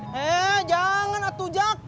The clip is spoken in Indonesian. heee jangan atu jak